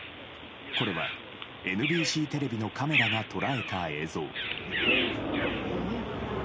これは、ＮＢＣテレビのカメラが捉えた映像。